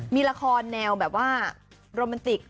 มีละครแนวแบบว่าโรแมนติก